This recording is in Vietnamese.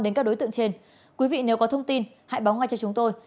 đến các đối tượng trên quý vị nếu có thông tin hãy báo ngay cho chúng tôi